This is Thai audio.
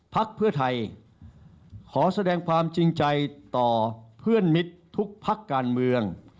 พักเพื่อไทยขอแสดงความจริงใจต่อเพื่อนมิตรทุกพักการเมือง